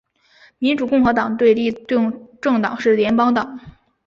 民主共和党的对立政党是联邦党。